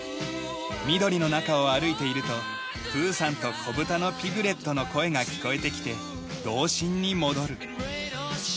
緑の中を歩いているとプーさんとコブタのピグレットの声が聞こえてきて童心に戻る。